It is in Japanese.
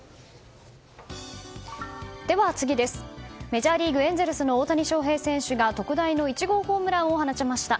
メジャーリーグ、エンゼルスの大谷翔平選手が特大の１号ホームランを放ちました。